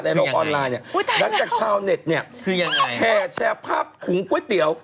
ในโลกออนไลน์แล้วจากชาวเน็ตแผ่แชร์ภาพของก๋วยเตี๋ยว